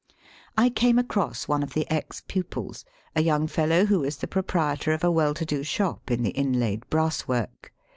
I came across one of the ex pupils^ a young fellow who is the proprietor of a well to do shop in the inlaid brass work.